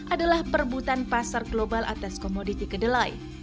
adalah perebutan pasar global atas komoditi kedelai